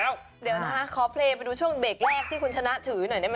เดี๋ยวนะคะขอเพลงไปดูช่วงเบรกแรกที่คุณชนะถือหน่อยได้ไหม